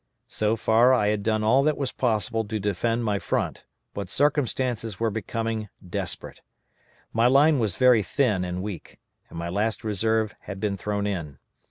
So far I had done all that was possible to defend my front, but circumstances were becoming desperate. My line was very thin and weak, and my last reserve had been thrown in.